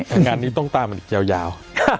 งานนี้ต้องตามยาวยาว